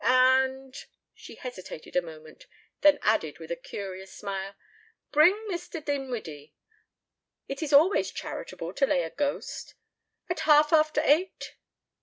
And " She hesitated a moment, then added with a curious smile, "Bring Mr. Dinwiddie. It is always charitable to lay a ghost. At half after eight?"